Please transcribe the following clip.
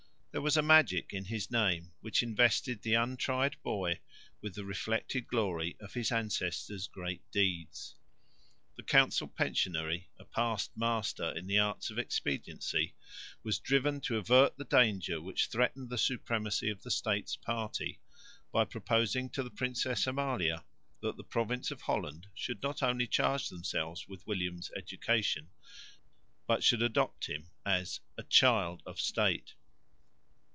There was a magic in his name, which invested the untried boy with the reflected glory of his ancestor's great deeds. The council pensionary, a past master in the arts of expediency, was driven to avert the danger which threatened the supremacy of the States party, by proposing to the Princess Amalia that the province of Holland should not only charge themselves with William's education, but should adopt him as "a Child of State."